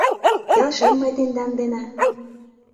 Келшем мый тендан дене!